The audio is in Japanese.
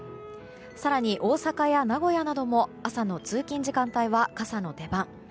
更に、大阪や名古屋なども朝の通勤時間帯は傘の出番。